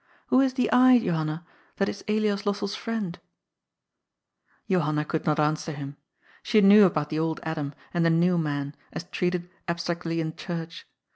Who is the I, Johanna, that is Elias Lossell's friend ?" Johanna could not answer him. She knew about the old Adam, and the new man, as treated — abstractly — in church.